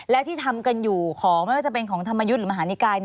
และที่ทำกันอยู่ของไม่ว่าจะเป็นของธรรมยุทธ์หรือมหานิกาย